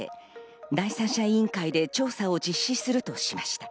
第三者委員会で調査を実施するとしました。